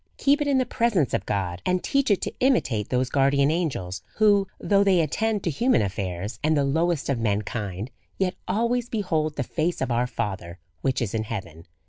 Keep it in the presence of God, and teach it to imitate those guardian angels, who, though they attend to human affairs, and the lowest of mankind, yet always behold the face of our Father which is in heaven.